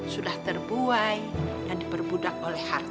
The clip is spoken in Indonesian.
sudah terbuai dan diperbudak oleh harta